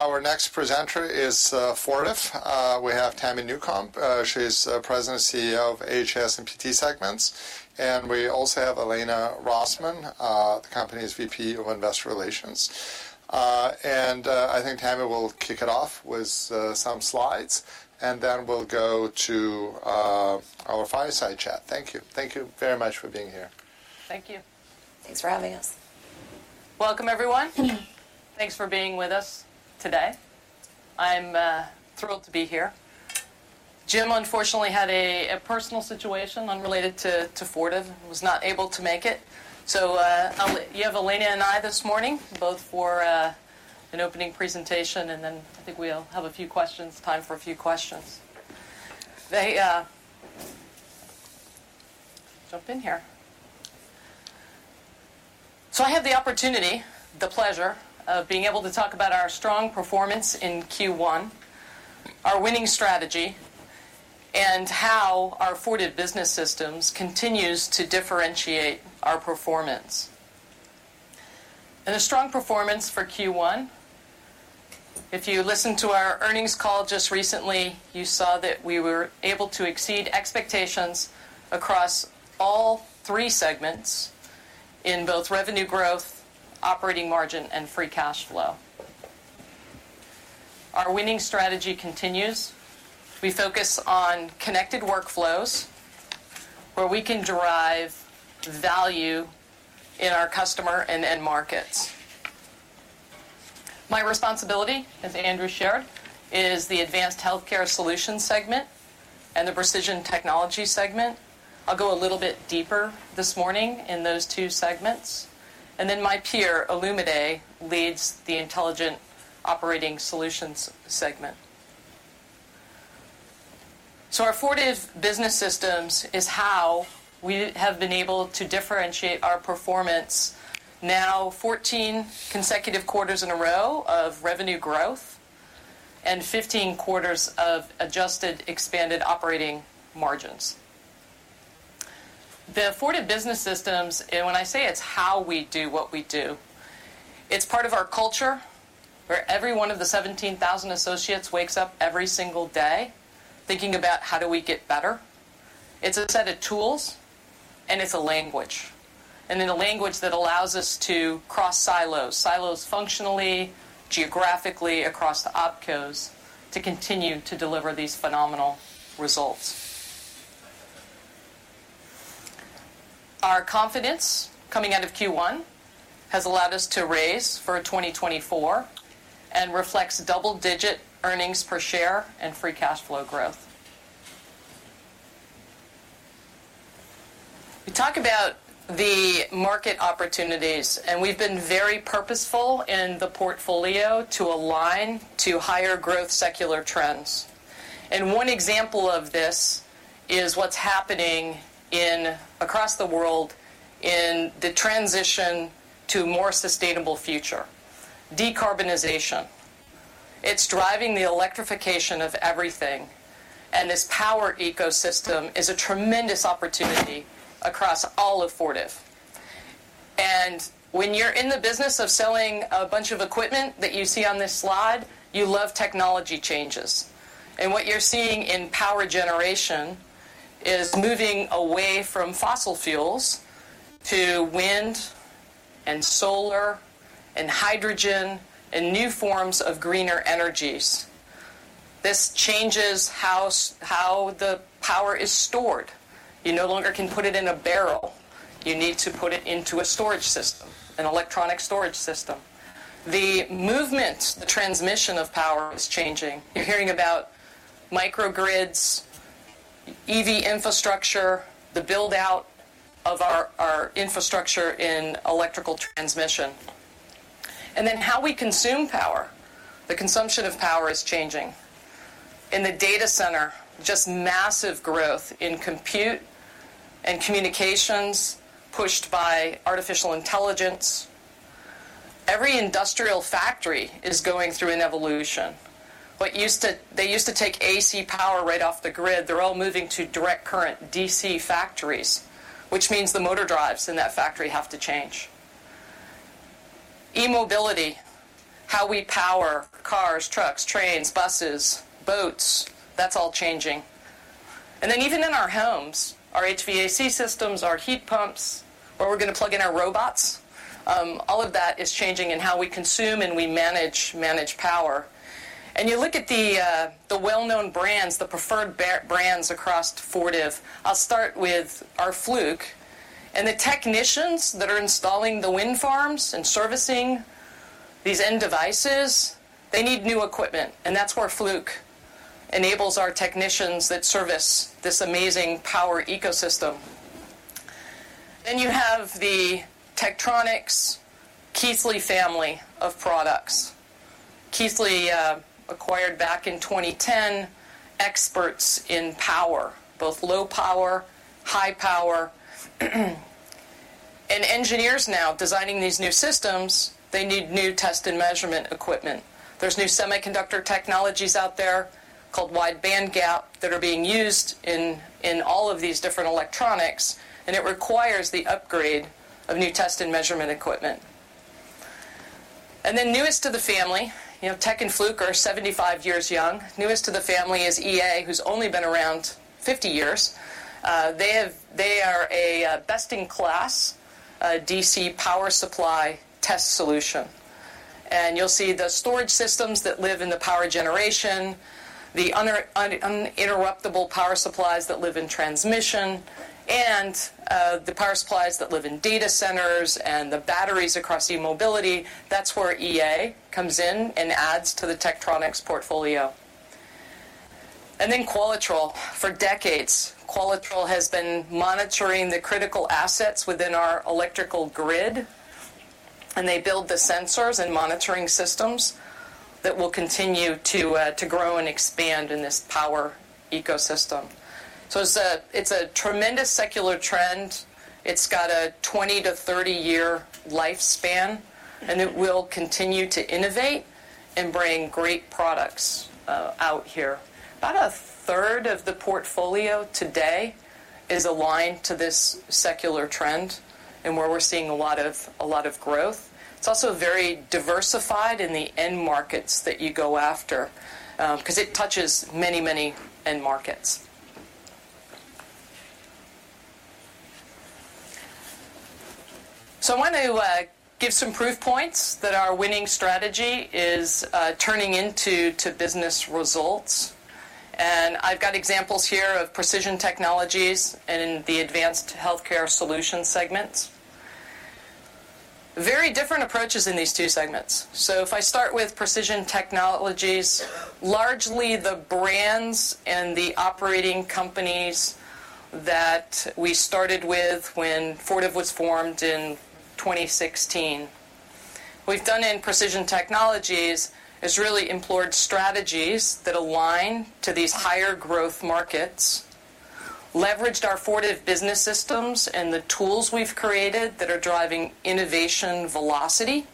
Our next presenter is Fortive. We have Tamara Newcombe. She's President and CEO of AHS and PT Segments. We also have Elena Rosman, the company's VP of Investor Relations. And I think Tamara will kick it off with some slides, and then we'll go to our fireside chat. Thank you. Thank you very much for being here. Thank you. Thanks for having us. Welcome, everyone. Thanks for being with us today. I'm thrilled to be here. Jim, unfortunately, had a personal situation unrelated to Fortive. He was not able to make it. So, I'll let you have Elena and I this morning, both for an opening presentation, and then I think we'll have a few questions, time for a few questions. They jump in here. So I have the opportunity, the pleasure, of being able to talk about our strong performance in Q1, our winning strategy, and how our Fortive Business System continues to differentiate our performance. A strong performance for Q1, if you listened to our earnings call just recently, you saw that we were able to exceed expectations across all three segments in both revenue growth, operating margin, and free cash flow. Our winning strategy continues. We focus on connected workflows where we can derive value in our customer and end markets. My responsibility, as Andrew shared, is the advanced healthcare solutions segment and the precision technology segment. I'll go a little bit deeper this morning in those two segments. Then my peer, Olumide, leads the intelligent operating solutions segment. Our Fortive Business System is how we have been able to differentiate our performance now 14 consecutive quarters in a row of revenue growth and 15 quarters of adjusted expanded operating margins. The Fortive Business System, and when I say it's how we do what we do, it's part of our culture where every one of the 17,000 associates wakes up every single day thinking about how do we get better. It's a set of tools, and it's a language. And then a language that allows us to cross silos, silos functionally, geographically, across the OpCos, to continue to deliver these phenomenal results. Our confidence coming out of Q1 has allowed us to raise for 2024 and reflects double-digit earnings per share and free cash flow growth. We talk about the market opportunities, and we've been very purposeful in the portfolio to align to higher growth secular trends. And one example of this is what's happening across the world in the transition to a more sustainable future: decarbonization. It's driving the electrification of everything, and this power ecosystem is a tremendous opportunity across all of Fortive. And when you're in the business of selling a bunch of equipment that you see on this slide, you love technology changes. What you're seeing in power generation is moving away from fossil fuels to wind and solar and hydrogen and new forms of greener energies. This changes how the power is stored. You no longer can put it in a barrel. You need to put it into a storage system, an electronic storage system. The movement, the transmission of power is changing. You're hearing about microgrids, EV infrastructure, the build-out of our infrastructure in electrical transmission. And then how we consume power, the consumption of power is changing. In the data center, just massive growth in compute and communications pushed by artificial intelligence. Every industrial factory is going through an evolution. What used to they used to take AC power right off the grid. They're all moving to direct current, DC factories, which means the motor drives in that factory have to change. E-mobility, how we power cars, trucks, trains, buses, boats, that's all changing. And then even in our homes, our HVAC systems, our heat pumps, where we're going to plug in our robots, all of that is changing in how we consume and we manage, manage power. And you look at the, the well-known brands, the preferred brands across Fortive. I'll start with our Fluke. And the technicians that are installing the wind farms and servicing these end devices, they need new equipment, and that's where Fluke enables our technicians that service this amazing power ecosystem. Then you have the Tektronix Keithley family of products. Keithley, acquired back in 2010, experts in power, both low power, high power. And engineers now designing these new systems, they need new test and measurement equipment. There's new semiconductor technologies out there called wide band gap that are being used in all of these different electronics, and it requires the upgrade of new test and measurement equipment. And then newest to the family, you know, Tek and Fluke are 75 years young. Newest to the family is EA, who's only been around 50 years. They are a best-in-class DC power supply test solution. And you'll see the storage systems that live in the power generation, the uninterruptible power supplies that live in transmission, and the power supplies that live in data centers and the batteries across e-mobility, that's where EA comes in and adds to the Tektronix portfolio. And then Qualitrol. For decades, Qualitrol has been monitoring the critical assets within our electrical grid, and they build the sensors and monitoring systems that will continue to grow and expand in this power ecosystem. So it's a tremendous secular trend. It's got a 20-30-year lifespan, and it will continue to innovate and bring great products out here. About a third of the portfolio today is aligned to this secular trend and where we're seeing a lot of a lot of growth. It's also very diversified in the end markets that you go after, because it touches many, many end markets. So I want to give some proof points that our winning strategy is turning into business results. And I've got examples here of precision technologies and the advanced healthcare solutions segments. Very different approaches in these two segments. So if I start with precision technologies, largely the brands and the operating companies that we started with when Fortive was formed in 2016. What we've done in precision technologies is really employed strategies that align to these higher growth markets, leveraged our Fortive business systems and the tools we've created that are driving innovation velocity.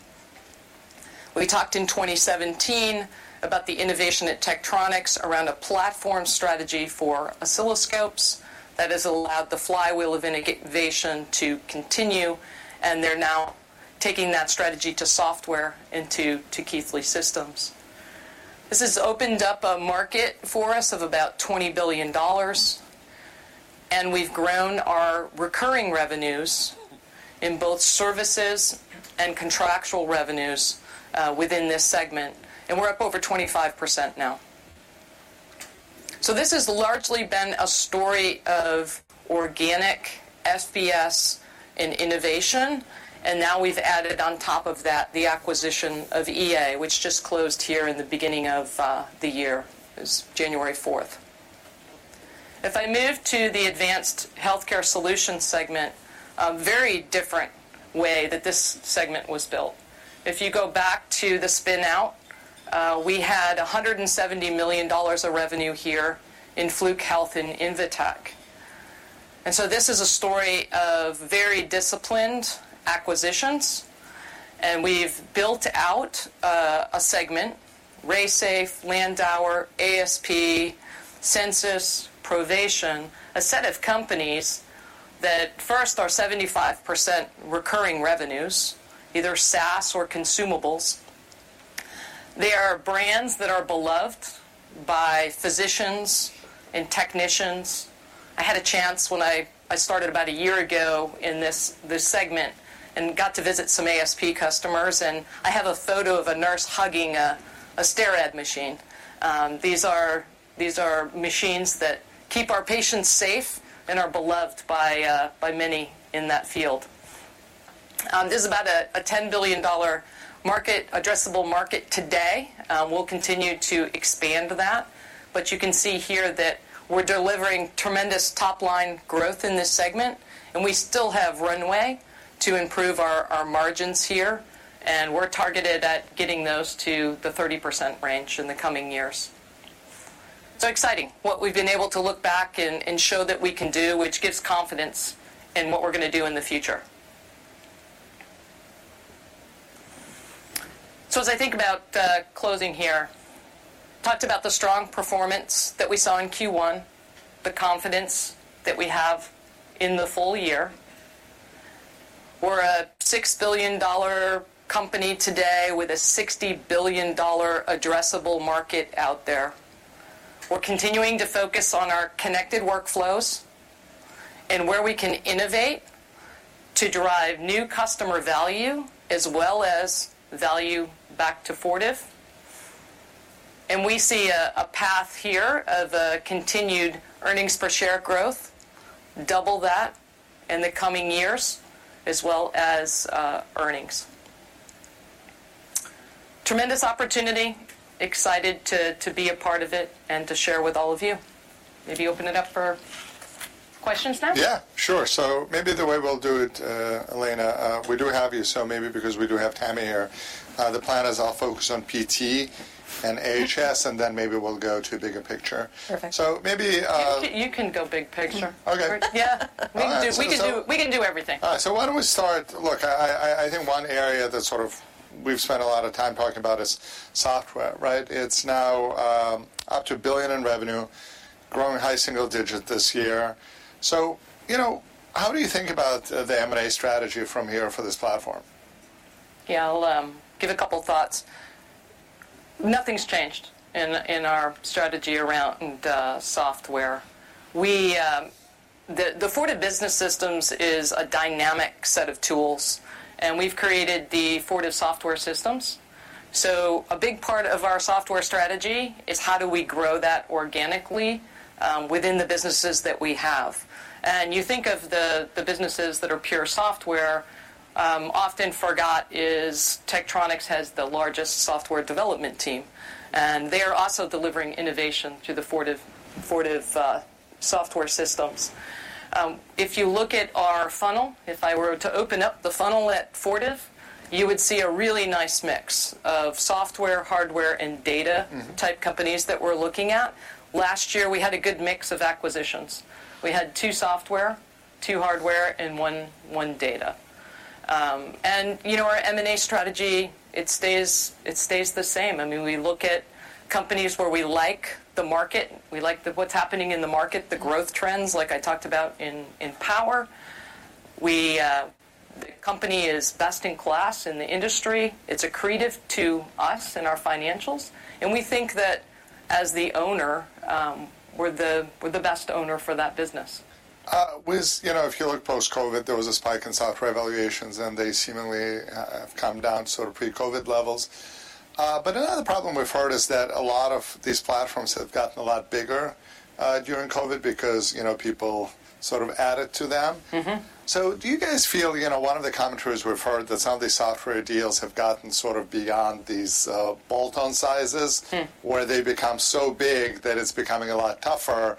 We talked in 2017 about the innovation at Tektronix around a platform strategy for oscilloscopes that has allowed the flywheel of innovation to continue, and they're now taking that strategy to software and to Keithley systems. This has opened up a market for us of about $20 billion, and we've grown our recurring revenues in both services and contractual revenues, within this segment, and we're up over 25% now. So this has largely been a story of organic FBS and innovation, and now we've added on top of that the acquisition of EA, which just closed here in the beginning of the year. It was January 4th. If I move to the advanced healthcare solutions segment, a very different way that this segment was built. If you go back to the spin-out, we had $170 million of revenue here in Fluke Health and Invetech. And so this is a story of very disciplined acquisitions, and we've built out a segment, RaySafe, Landauer, ASP, Censis, Provation, a set of companies that, first, are 75% recurring revenues, either SaaS or consumables. They are brands that are beloved by physicians and technicians. I had a chance when I started about a year ago in this segment and got to visit some ASP customers, and I have a photo of a nurse hugging a STERRAD machine. These are machines that keep our patients safe and are beloved by, by many in that field. This is about a $10 billion market, addressable market today. We'll continue to expand that. But you can see here that we're delivering tremendous top-line growth in this segment, and we still have runway to improve our margins here, and we're targeted at getting those to the 30% range in the coming years. So exciting, what we've been able to look back and show that we can do, which gives confidence in what we're going to do in the future. So as I think about closing here, talked about the strong performance that we saw in Q1, the confidence that we have in the full year. We're a $6 billion company today with a $60 billion addressable market out there. We're continuing to focus on our connected workflows and where we can innovate to drive new customer value as well as value back to Fortive. And we see a path here of continued earnings per share growth, double that in the coming years as well as earnings. Tremendous opportunity, excited to be a part of it and to share with all of you. Maybe open it up for questions now? Yeah, sure. So maybe the way we'll do it, Elena, we do have you, so maybe because we do have Tamara here, the plan is I'll focus on PT and AHS, and then maybe we'll go to a bigger picture. Perfect. So maybe you can go big picture. Okay. Yeah. We can do. We can do everything. All right. So why don't we start. Look, I think one area that sort of we've spent a lot of time talking about is software, right? It's now up to $1 billion in revenue, growing high single-digit this year. So, you know, how do you think about the M&A strategy from here for this platform? Yeah, I'll give a couple thoughts. Nothing's changed in our strategy around software. We, the Fortive business systems, is a dynamic set of tools, and we've created the Fortive software systems. So a big part of our software strategy is how do we grow that organically within the businesses that we have. You think of the businesses that are pure software, often forgot is Tektronix has the largest software development team, and they are also delivering innovation to the Fortive software systems. If you look at our funnel, if I were to open up the funnel at Fortive, you would see a really nice mix of software, hardware, and data type companies that we're looking at. Last year, we had a good mix of acquisitions. We had two software, two hardware, and one data. You know, our M&A strategy, it stays the same. I mean, we look at companies where we like the market, we like what's happening in the market, the growth trends, like I talked about in power. We the company is best-in-class in the industry. It's accretive to us and our financials. And we think that as the owner, we're the best owner for that business. Was you know, if you look post-COVID, there was a spike in software valuations, and they seemingly have come down sort of pre-COVID levels. But another problem we've heard is that a lot of these platforms have gotten a lot bigger during COVID because, you know, people sort of added to them. So do you guys feel, you know, one of the commentaries we've heard that some of these software deals have gotten sort of beyond these bolt-on sizes, where they become so big that it's becoming a lot tougher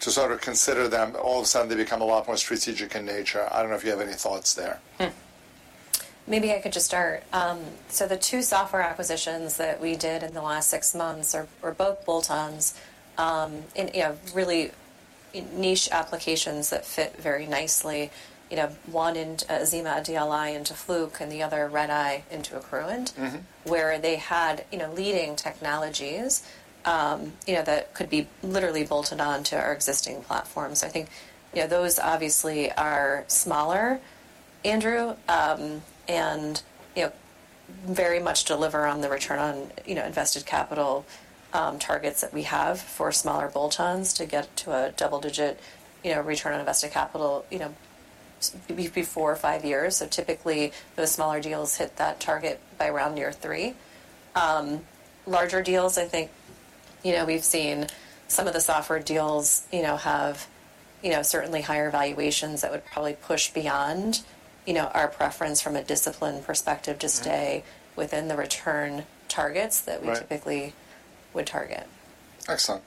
to sort of consider them, all of a sudden they become a lot more strategic in nature? I don't know if you have any thoughts there. Maybe I could just start. So the two software acquisitions that we did in the last six months were both bolt-ons, you know, really niche applications that fit very nicely, you know, one in Azima DLI into Fluke, and the other RedEye into Accruent, where they had, you know, leading technologies, you know, that could be literally bolted onto our existing platforms. I think, you know, those obviously are smaller, Andrew, and, you know, very much deliver on the return on, you know, invested capital targets that we have for smaller bolt-ons to get to a double-digit, you know, return on invested capital, you know, before five years. So typically, those smaller deals hit that target by around year three. Larger deals, I think, you know, we've seen some of the software deals, you know, have, you know, certainly higher valuations that would probably push beyond, you know, our preference from a discipline perspective to stay within the return targets that we typically would target. Excellent.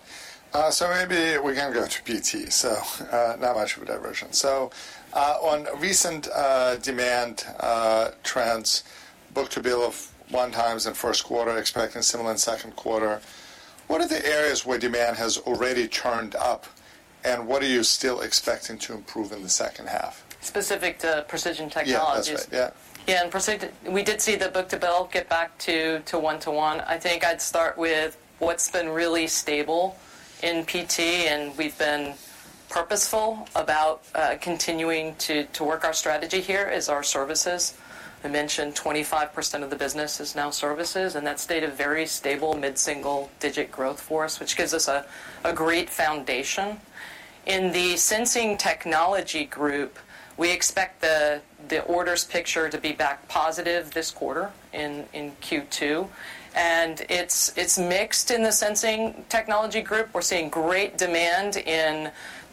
So maybe we can go to PT, so not much of a diversion. So on recent demand trends, book-to-bill of 1x in first quarter, expecting similar in second quarter. What are the areas where demand has already churned up, and what are you still expecting to improve in the second half? Specific to Precision Technologies. Yeah, that's right. Yeah. Yeah, and we did see the book-to-bill get back to 1-to-1. I think I'd start with what's been really stable in PT, and we've been purposeful about continuing to work our strategy here, is our services. I mentioned 25% of the business is now services, and that's stayed a very stable mid-single digit growth for us, which gives us a great foundation. In the sensing technology group, we expect the orders picture to be back positive this quarter in Q2. And it's mixed in the sensing technology group. We're seeing great demand in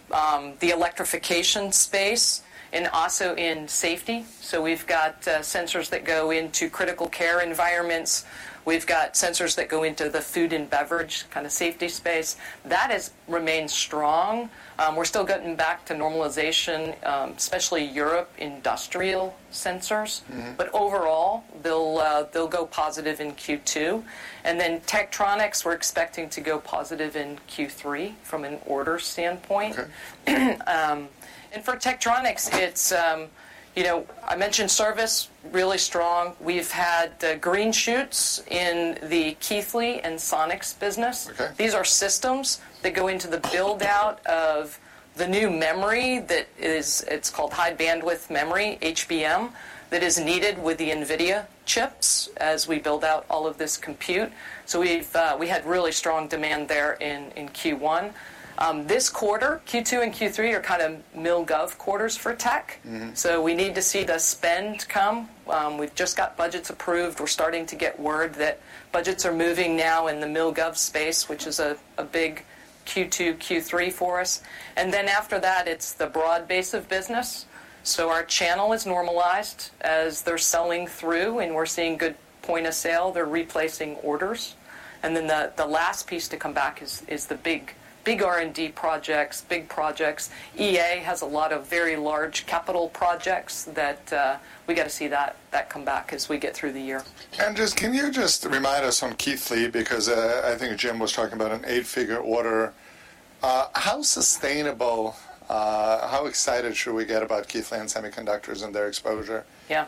the electrification space and also in safety. So we've got sensors that go into critical care environments. We've got sensors that go into the food and beverage kind of safety space. That has remained strong. We're still getting back to normalization, especially Europe industrial sensors. But overall, they'll go positive in Q2. And then Tektronix, we're expecting to go positive in Q3 from an order standpoint. And for Tektronix, it's, you know, I mentioned service, really strong. We've had green shoots in the Keithley and Sonix business. These are systems that go into the build-out of the new memory that is, it's called high bandwidth memory, HBM, that is needed with the NVIDIA chips as we build out all of this compute. So we've had really strong demand there in Q1. This quarter, Q2 and Q3 are kind of mil/gov quarters for Tek. So we need to see the spend come. We've just got budgets approved. We're starting to get word that budgets are moving now in the mil/gov space, which is a big Q2, Q3 for us. And then after that, it's the broad base of business. So our channel is normalized as they're selling through, and we're seeing good point of sale. They're replacing orders. And then the last piece to come back is the big R&D projects, big projects. EA has a lot of very large capital projects that we got to see that come back as we get through the year. Andrew, can you just remind us on Keithley because I think Jim was talking about an eight-figure order. How sustainable, how excited should we get about Keithley and semiconductors and their exposure? Yeah.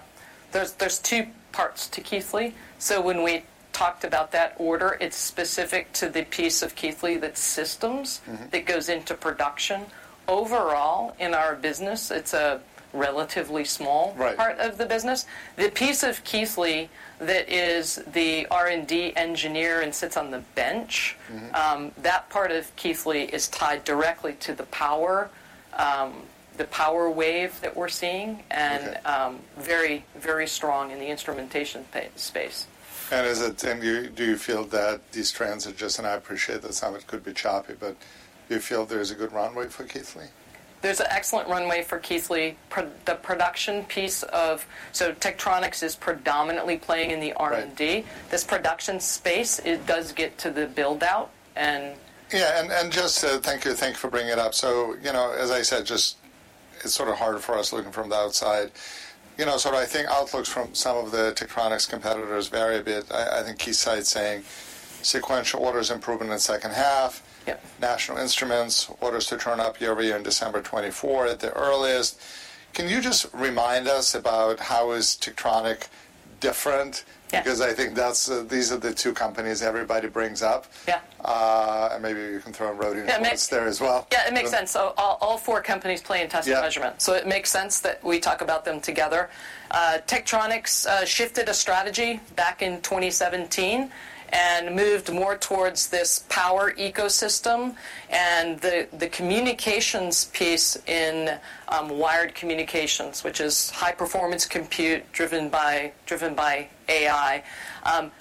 There are two parts to Keithley. So when we talked about that order, it's specific to the piece of Keithley that's systems that goes into production. Overall, in our business, it's a relatively small part of the business. The piece of Keithley that is the R&D engineer and sits on the bench, that part of Keithley is tied directly to the power wave that we're seeing and very, very strong in the instrumentation space. Do you feel that these trends are just and I appreciate this, Tam, it could be choppy, but do you feel there's a good runway for Keithley? There's an excellent runway for Keithley. The production piece of so Tektronix is predominantly playing in the R&D. This production space, it does get to the build-out and yeah, and just thank you for bringing it up. So, you know, as I said, just it's sort of hard for us looking from the outside. You know, sort of I think outlooks from some of the Tektronix competitors vary a bit. I think Keithley is saying sequential orders improvement in second half, National Instruments, orders to turn up year over year in December 2024 at the earliest. Can you just remind us about how is Tektronix different? Because I think these are the two companies everybody brings up. Maybe you can throw in Rohde & Schwarz there as well. Yeah, it makes sense. All four companies play in test and measurement. So it makes sense that we talk about them together. Tektronix shifted a strategy back in 2017 and moved more towards this power ecosystem and the communications piece in wired communications, which is high-performance compute driven by AI.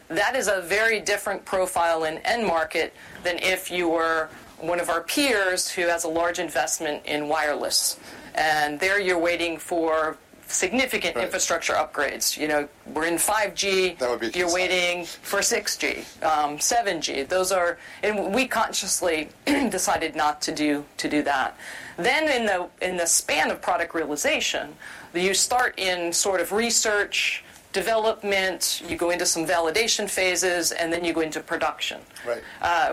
That is a very different profile in end market than if you were one of our peers who has a large investment in wireless. And there you're waiting for significant infrastructure upgrades. You know, we're in 5G. You're waiting for 6G, 7G. And we consciously decided not to do that. Then in the span of product realization, you start in sort of research, development, you go into some validation phases, and then you go into production.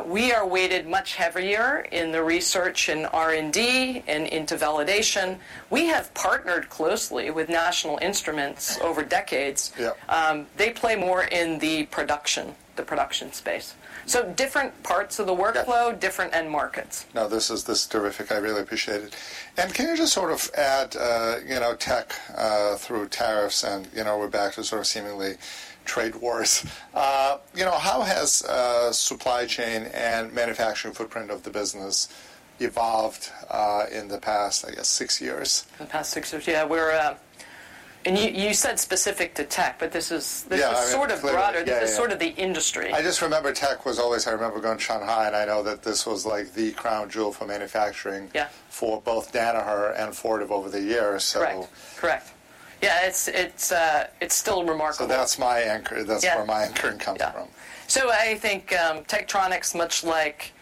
We are weighted much heavier in the research and R&D and into validation. We have partnered closely with National Instruments over decades. They play more in the production, the production space. So different parts of the workflow, different end markets. No, this is terrific. I really appreciate it. And can you just sort of add, you know, tech through tariffs and, you know, we're back to sort of seemingly trade wars. You know, how has supply chain and manufacturing footprint of the business evolved in the past, I guess, six years? The past six years, yeah. And you said specific to tech, but this is sort of broader. This is sort of the industry. I just remember tech was always I remember going to Shanghai, and I know that this was like the crown jewel for manufacturing for both Danaher and Fortive over the years, so. Correct. Yeah, it's still remarkable. So that's where my anchoring comes from. Yeah. So I think Tektronix, much like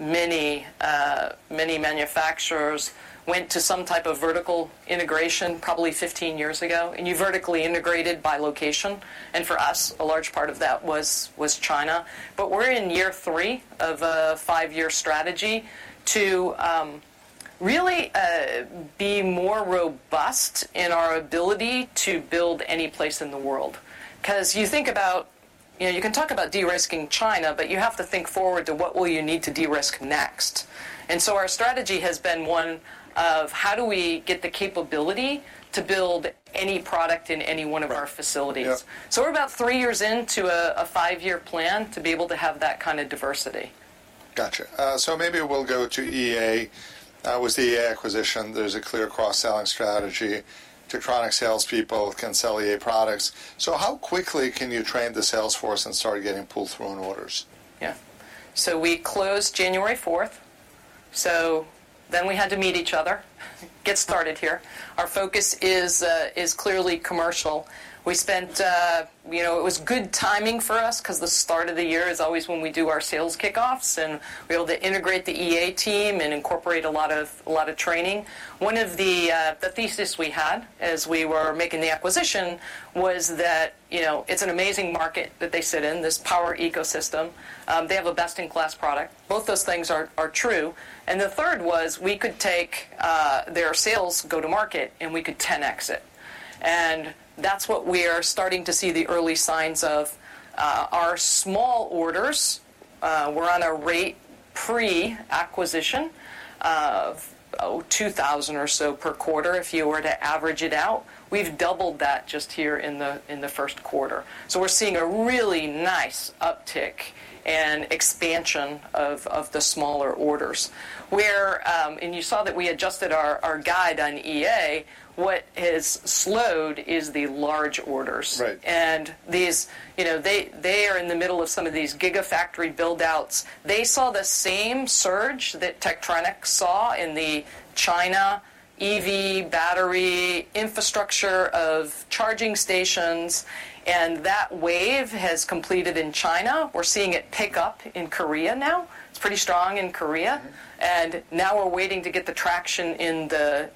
many manufacturers, went to some type of vertical integration probably 15 years ago, and you vertically integrated by location. And for us, a large part of that was China. But we're in year 3 of a 5-year strategy to really be more robust in our ability to build any place in the world. Because you think about you can talk about de-risking China, but you have to think forward to what will you need to de-risk next. And so our strategy has been one of how do we get the capability to build any product in any one of our facilities. So we're about 3 years into a 5-year plan to be able to have that kind of diversity. Gotcha. So maybe we'll go to EA. With the EA acquisition, there's a clear cross-selling strategy. Tektronix salespeople can sell EA products. So how quickly can you train the salesforce and start getting pulled through on orders? Yeah. So we closed January 4th. So then we had to meet each other, get started here. Our focus is clearly commercial. We spent you know, it was good timing for us because the start of the year is always when we do our sales kickoffs, and we were able to integrate the EA team and incorporate a lot of training. One of the thesis we had as we were making the acquisition was that it's an amazing market that they sit in, this power ecosystem. They have a best-in-class product. Both those things are true. And the third was we could take their sales go-to-market, and we could 10x it. And that's what we are starting to see the early signs of. Our small orders, we're on a rate pre-acquisition of 2,000 or so per quarter. If you were to average it out, we've doubled that just here in the first quarter. So we're seeing a really nice uptick and expansion of the smaller orders. And you saw that we adjusted our guide on EA. What has slowed is the large orders. And these you know, they are in the middle of some of these gigafactory build-outs. They saw the same surge that Tektronix saw in the China EV battery infrastructure of charging stations. And that wave has completed in China. We're seeing it pick up in Korea now. It's pretty strong in Korea. And now we're waiting to get the traction in the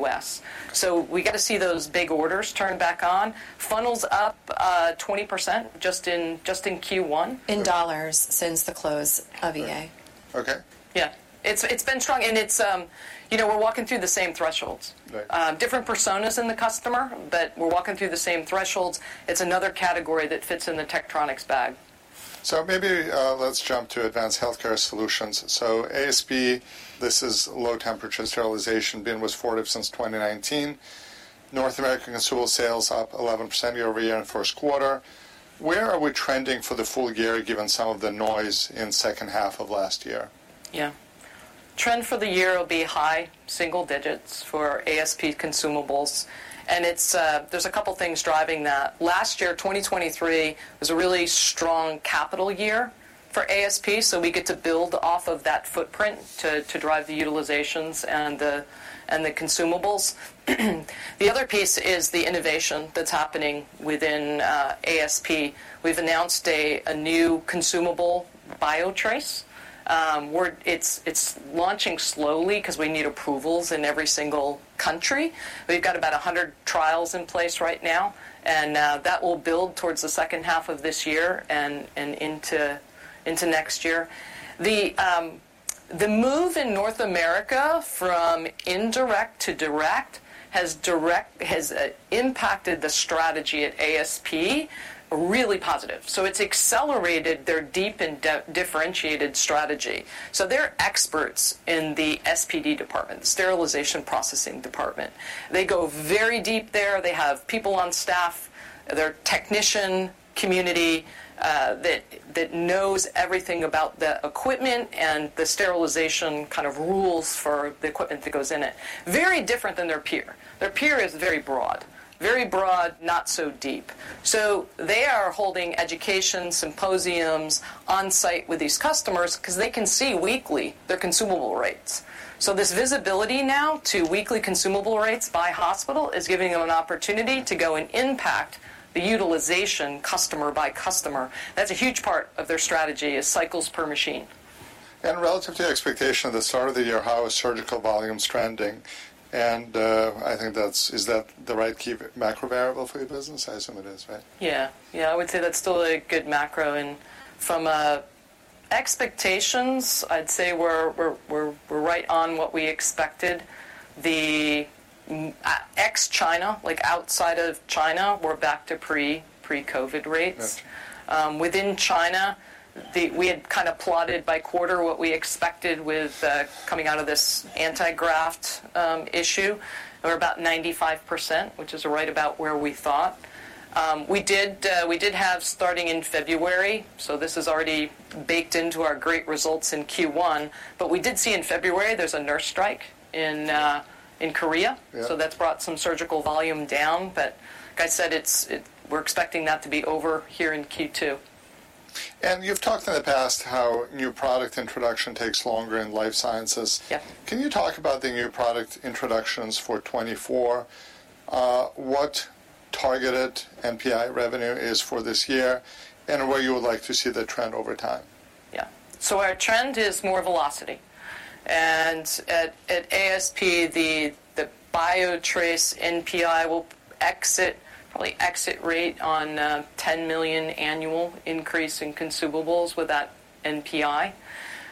US. So we got to see those big orders turn back on. Funnels up 20% just in Q1. In dollars since the close of EA. Okay. Yeah. It's been strong. And it's you know, we're walking through the same thresholds. Different personas in the customer, but we're walking through the same thresholds. It's another category that fits in the Tektronix bag. So maybe let's jump to advanced healthcare solutions. So ASP, this is low temperature sterilization. Been with Fortive since 2019. North American consumable sales up 11% year-over-year in first quarter. Where are we trending for the full year given some of the noise in second half of last year? Yeah. Trend for the year will be high single digits for ASP consumables. And there's a couple of things driving that. Last year, 2023, was a really strong capital year for ASP. So we get to build off of that footprint to drive the utilizations and the consumables. The other piece is the innovation that's happening within ASP. We've announced a new consumable BioTrace. It's launching slowly because we need approvals in every single country. We've got about 100 trials in place right now. That will build towards the second half of this year and into next year. The move in North America from indirect to direct has impacted the strategy at ASP really positive. It's accelerated their deep and differentiated strategy. They're experts in the SPD department, the Sterile Processing Department. They go very deep there. They have people on staff. They're a technician community that knows everything about the equipment and the sterilization kind of rules for the equipment that goes in it. Very different than their peer. Their peer is very broad, very broad, not so deep. They are holding education symposiums on-site with these customers because they can see weekly their consumable rates. So this visibility now to weekly consumable rates by hospital is giving them an opportunity to go and impact the utilization customer by customer. That's a huge part of their strategy is cycles per machine. And relative to the expectation at the start of the year, how is surgical volumes trending? And I think that's, is that the right key macro variable for your business? I assume it is, right? Yeah. Yeah, I would say that's still a good macro. And from expectations, I'd say we're right on what we expected. The ex-China, like outside of China, we're back to pre-COVID rates. Within China, we had kind of plotted by quarter what we expected with coming out of this anti-graft issue. We're about 95%, which is right about where we thought. We did have starting in February. So this is already baked into our great results in Q1. But we did see in February, there's a nurse strike in Korea. So that's brought some surgical volume down. But like I said, we're expecting that to be over here in Q2. And you've talked in the past how new product introduction takes longer in life sciences. Can you talk about the new product introductions for 2024, what targeted NPI revenue is for this year, and where you would like to see the trend over time? Yeah. So our trend is more velocity. And at ASP, the BioTrace NPI will exit, probably exit rate on $10 million annual increase in consumables with that NPI.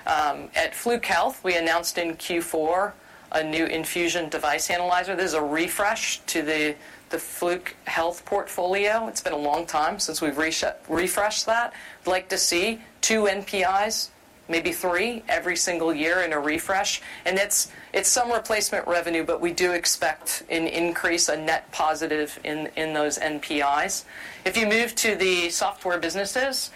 At Fluke Health, we announced in Q4 a new infusion device analyzer. This is a refresh to the Fluke Health portfolio. It's been a long time since we've refreshed that. I'd like to see two NPIs, maybe three, every single year in a refresh. It's some replacement revenue, but we do expect an increase, a net positive in those NPIs. If you move to the software businesses,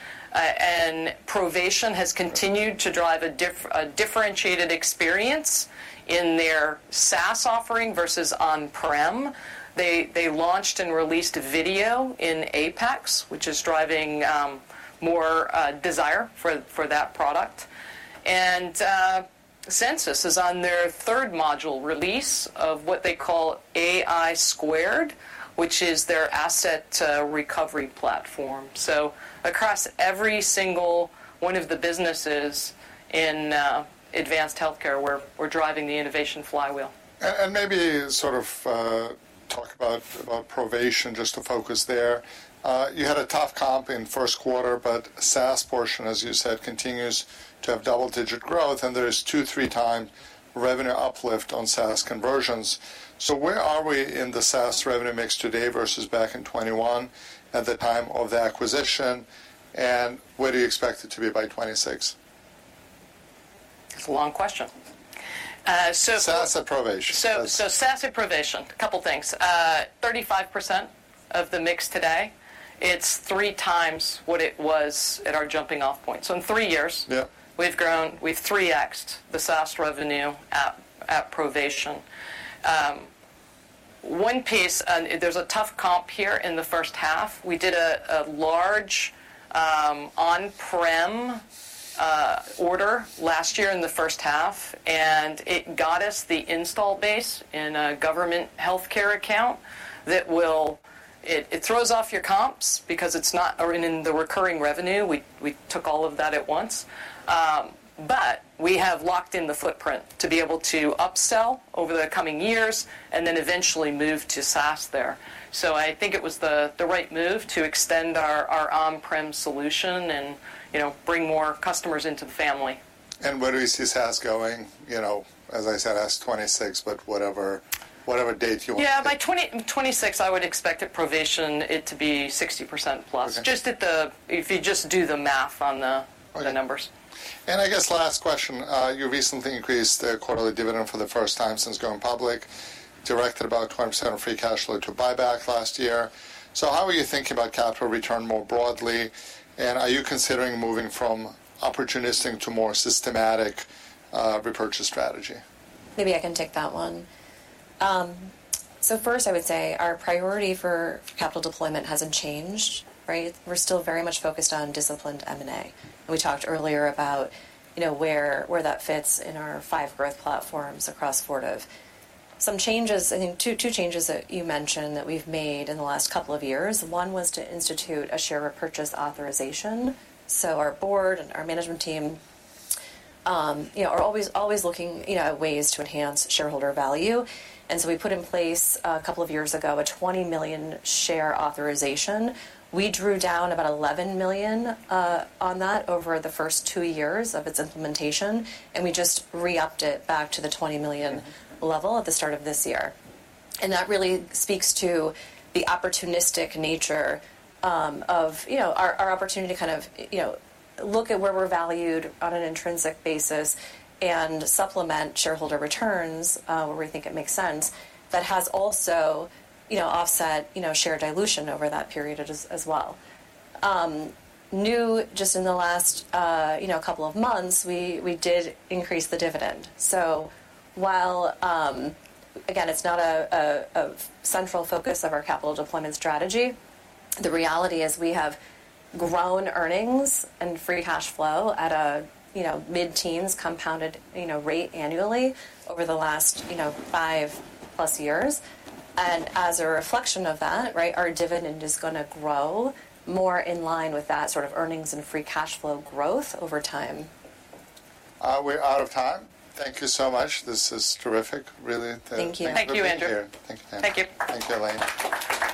Provation has continued to drive a differentiated experience in their SaaS offering versus on-prem. They launched and released video in Apex, which is driving more desire for that product. Censis is on their third module release of what they call AI, which is their asset recovery platform. So across every single one of the businesses in advanced healthcare, we're driving the innovation flywheel. Maybe sort of talk about Provation just to focus there. You had a tough comp in first quarter, but SaaS portion, as you said, continues to have double-digit growth. There is 2, 3-time revenue uplift on SaaS conversions. So where are we in the SaaS revenue mix today versus back in 2021 at the time of the acquisition? Where do you expect it to be by 2026? It's a long question. SaaS at Provation. So SaaS at Provation, a couple of things. 35% of the mix today. It's 3 times what it was at our jumping-off point. So in 3 years, we've grown. We've 3X'd the SaaS revenue at Provation. One piece, there's a tough comp here in the first half. We did a large on-prem order last year in the first half. And it got us the install base in a government healthcare account that will it throws off your comps because it's not in the recurring revenue. We took all of that at once. But we have locked in the footprint to be able to upsell over the coming years and then eventually move to SaaS there. So I think it was the right move to extend our on-prem solution and bring more customers into the family. And where do you see SaaS going? You know, as I said, as 2026, but whatever date you want to pick. Yeah, by 2026, I would expect at Provation it to be 60%+, just if you just do the math on the numbers. And I guess last question. You've recently increased the quarterly dividend for the first time since going public, directed about 20% of free cash flow to buyback last year. So how are you thinking about capital return more broadly? And are you considering moving from opportunistic to more systematic repurchase strategy? Maybe I can take that one. So first, I would say our priority for capital deployment hasn't changed, right? We're still very much focused on disciplined M&A. We talked earlier about where that fits in our five growth platforms across Fortive. Some changes, I think two changes that you mentioned that we've made in the last couple of years. One was to institute a share repurchase authorization. So our board and our management team are always looking at ways to enhance shareholder value. And so we put in place a couple of years ago a 20 million share authorization. We drew down about 11 million on that over the first two years of its implementation. And we just re-upped it back to the 20 million level at the start of this year. And that really speaks to the opportunistic nature of our opportunity to kind of look at where we're valued on an intrinsic basis and supplement shareholder returns where we think it makes sense. That has also offset share dilution over that period as well. Now, just in the last couple of months, we did increase the dividend. So while, again, it's not a central focus of our capital deployment strategy, the reality is we have grown earnings and free cash flow at a mid-teens compounded rate annually over the last 5+ years. As a reflection of that, our dividend is going to grow more in line with that sort of earnings and free cash flow growth over time. We're out of time. Thank you so much. This is terrific, really. Thank you. Thank you, Andrew. Thank you, Tam. Thank you. Thank you, Elena.